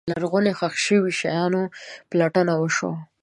د لرغونو ښخ شوو شیانو پلټنه وشوه.